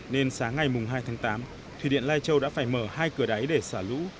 nên sáng ngày hai tháng tám thủy điện lai châu đã phải mở hai cửa đáy để xả lũ